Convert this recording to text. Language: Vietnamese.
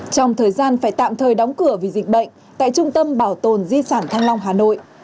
trong thời gian phải tạm thời đóng cửa vì dịch bệnh tại trung tâm bảo tồn di sản thăng long hà nội